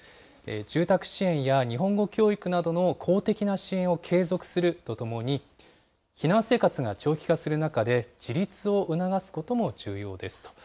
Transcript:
住宅支援や日本語教育などの公的な支援を継続するとともに、避難生活が長期化する中で、自立を促すことも重要ですと。